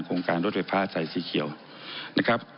โครงการรถไฟฟ้าสายสีเขียวนะครับ